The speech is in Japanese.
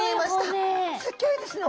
すっギョいですね